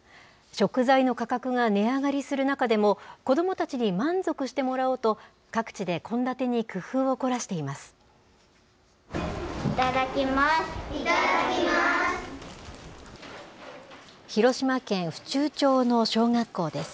食材の価格が値上がりする中でも、子どもたちに満足してもらおうと、各地で献立に工夫を凝らしています。